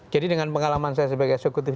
jadi dengan pengalaman saya sebagai eksekutif